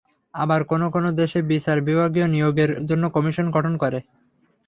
আবার কোনো কোনো দেশে বিচার বিভাগীয় নিয়োগের জন্য কমিশন গঠন করে।